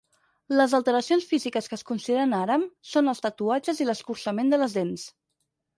Les alteracions físiques que es consideren hàram són els tatuatges i l'escurçament de les dents.